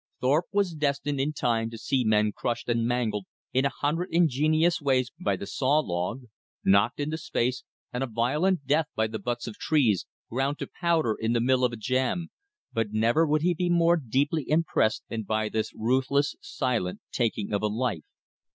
Thorpe was destined in time to see men crushed and mangled in a hundred ingenious ways by the saw log, knocked into space and a violent death by the butts of trees, ground to powder in the mill of a jam, but never would he be more deeply impressed than by this ruthless silent taking of a life.